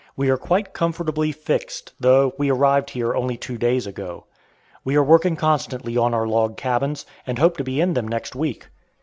We are quite comfortably fixed, though we arrived here only two days ago. We are working constantly on our log cabins, and hope to be in them next week.